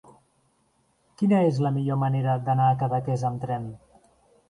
Quina és la millor manera d'anar a Cadaqués amb tren?